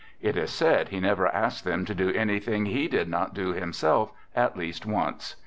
It is said he never asked them to do anything he did not do himself " at least once."